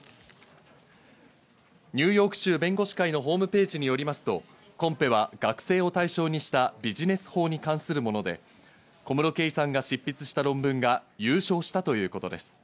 ニューヨーク州弁護士会のホームページによりますと、コンペは学生を対象にしたビジネス法に関するもので、小室圭さんが執筆した論文が優勝したということです。